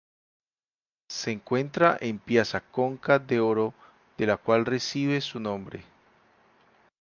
Se encuentra en Piazza Conca d'Oro, de la cual recibe su nombre.